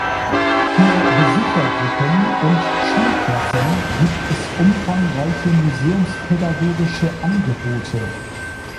Für Besuchergruppen und Schulklassen gibt es umfangreiche museumspädagogische Angebote.